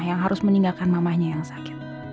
yang harus meninggalkan mamahnya yang sakit